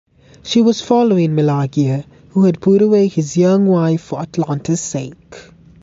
She was following Meleager, who had put away his young wife for Atalanta's sake.